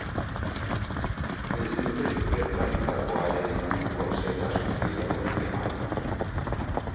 Ez dute gertatutakoaren inguruko xehetasun gehiagorik eman.